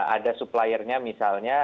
ada suppliernya misalnya